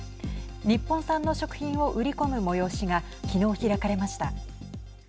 日本産の食品を売り込む催しが昨日、開かれました。